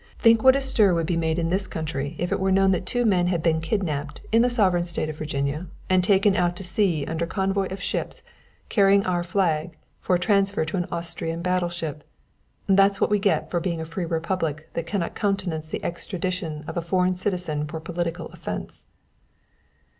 Think what a stir would be made in this country if it were known that two men had been kidnapped in the sovereign state of Virginia and taken out to sea under convoy of ships carrying our flag for transfer to an Austrian battle ship! That's what we get for being a free republic that can not countenance the extradition of a foreign citizen for a political offense."